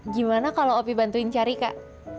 gimana kalau opi bantuin cari kak